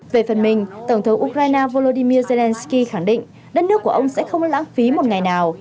về phần mình tổng thống ukraine volodymyr zelenskyy khẳng định đất nước của ông sẽ không lãng phí một ngày nào